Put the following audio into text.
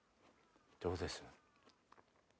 どうです？